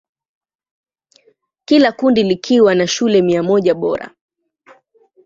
Kila kundi likiwa na shule mia moja bora.